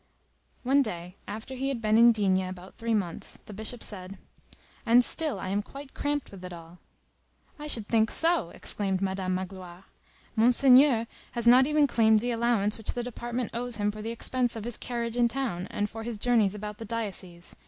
One day, after he had been in D—— about three months, the Bishop said:— "And still I am quite cramped with it all!" "I should think so!" exclaimed Madame Magloire. "Monseigneur has not even claimed the allowance which the department owes him for the expense of his carriage in town, and for his journeys about the diocese.